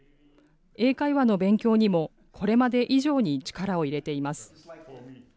英会話の勉強にもこれまで以上に力を入れています。